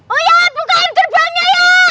oh iya bukaan kerbangnya ya